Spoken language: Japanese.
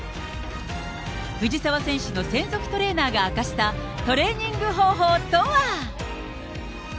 藤澤選手の専属トレーナーが明かした、トレーニング方法とは。